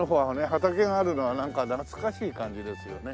畑があるのはなんか懐かしい感じですよね。